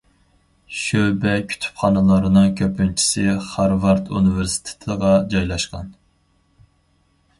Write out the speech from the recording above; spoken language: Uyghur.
شۆبە كۇتۇپخانىلارنىڭ كۆپىنچىسى خارۋارد ئۇنىۋېرسىتېتىغا جايلاشقان.